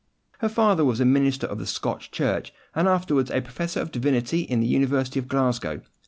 Her father was a minister of the Scotch Church, and afterwards a Professor of Divinity in the University of Glasgow.